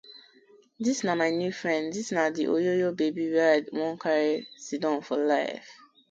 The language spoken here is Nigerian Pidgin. Dis na my new friend, dis na di oyoyo babi wey I won karry sidon for life.